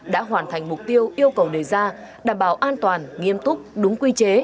đã hoàn thành mục tiêu yêu cầu đề ra đảm bảo an toàn nghiêm túc đúng quy chế